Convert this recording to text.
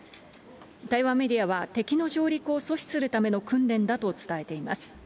台湾メディアは、敵の上陸を阻止するための訓練だと伝えています。